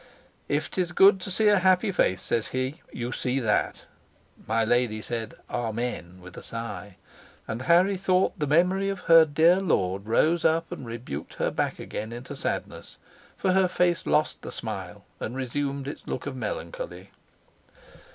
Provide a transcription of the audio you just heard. "If 'tis good to see a happy face," says he, "you see that." My lady said, "Amen," with a sigh; and Harry thought the memory of her dear lord rose up and rebuked her back again into sadness; for her face lost the smile, and resumed its look of melancholy.